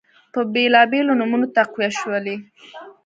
په بیلابیلو نومونو تقویه شولې